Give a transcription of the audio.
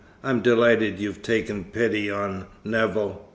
I'm delighted you've taken pity on Nevill.